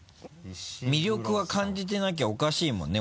魅力は感じてなきゃおかしいもんね